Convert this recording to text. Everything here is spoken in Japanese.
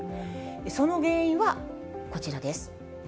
その原因はこちらです。